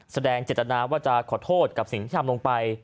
แสดงเจตนาว่าจะขอโทษกับสิ่งที่ทำลงไป